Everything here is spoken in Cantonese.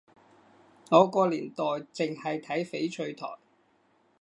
我個年代淨係睇翡翠台